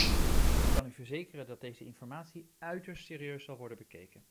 Ik kan u verzekeren dat deze informatie uiterst serieus zal worden bekeken.